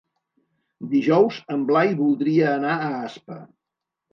Dijous en Blai voldria anar a Aspa.